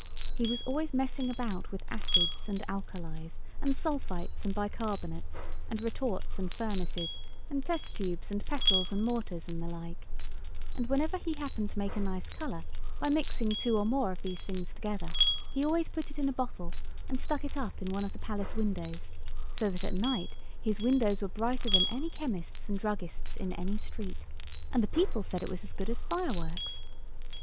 He was always messing about with acids and alkalis, and sulphites and bicarbonates, and retorts and furnaces, and test tubes, and pestles and mortars, and the like; and whenever he happened to make a nice colour by mixing two or more of these things together, he always put it in a bottle and stuck it up in one of the Palace windows, so that at night his windows were brighter than any chemist's and druggist's in any street, and the people said it was as good as fireworks.